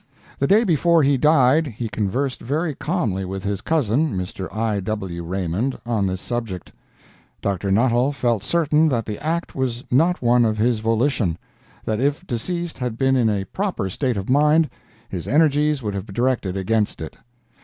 The day before he died he conversed very calmly with his cousin, Mr. I. W. Raymond, on this subject. Dr. Nuttall felt certain that the act was not one of his volition; that if deceased had been in a proper state of mind, his energies would have been directed against it.